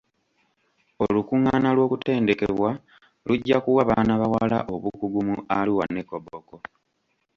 Olukungaana lw'okutendekebwa lujja kuwa baana bawala obukugu mu Arua ne Koboko.